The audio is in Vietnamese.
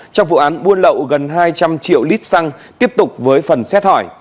trong vụ án buôn lậu gần hai trăm linh triệu lít xăng tiếp tục với phần xét hỏi